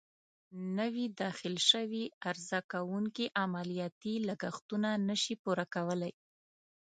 نوي داخل شوي عرضه کوونکې عملیاتي لګښتونه نه شي پوره کولای.